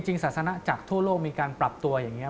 ศาสนาจากทั่วโลกมีการปรับตัวอย่างนี้